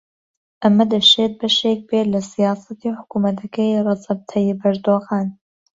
ئەمە دەشێت بەشێک بێت لە سیاسەتی حکوومەتەکەی ڕەجەب تەیب ئەردۆغان